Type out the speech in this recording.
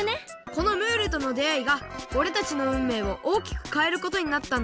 このムールとのであいがおれたちのうんめいをおおきくかえることになったんだ